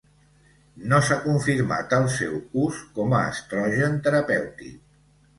No s'ha confirmat el seu ús com a estrogen terapèutic.